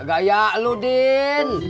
gak yak lo din